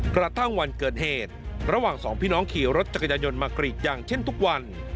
กระทั่งวันเกิดเหตุระหว่างสองพี่น้องขี่รถจักรยายนมากรีดยางเช่นทุกวัน